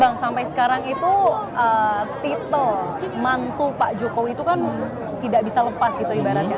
bang sampai sekarang itu titel mantu pak jokowi itu kan tidak bisa lepas gitu ibaratnya